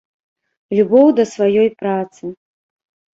Любоў да сваёй працы.